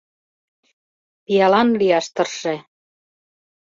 Пиалан лияш тырше…